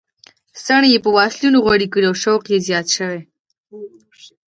څڼې یې په واسلینو غوړې کړې او شوق یې زیات شوی.